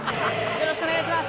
よろしくお願いします